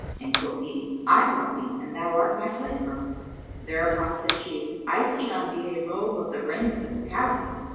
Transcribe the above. and quoth he, "I bought thee, and thou art my slave girl." Thereupon said she, "I see on thee a robe of the raiment of the Caliph."